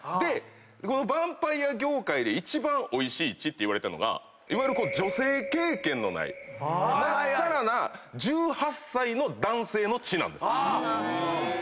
このバンパイア業界で一番おいしい血っていわれてんのがいわゆる女性経験のないまっさらな１８歳の男性の血なんです。